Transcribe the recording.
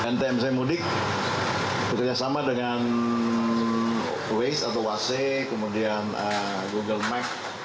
ntmcmudik bekerjasama dengan waze kemudian google mac